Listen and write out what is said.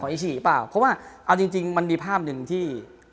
ของอีชิอีหรือเปล่าเพราะว่าเอาจริงมันมีภาพหนึ่งที่